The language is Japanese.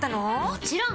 もちろん！